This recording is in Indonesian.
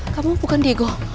kamu bukan diego